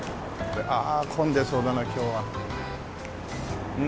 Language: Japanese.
ああ混んでそうだな今日は。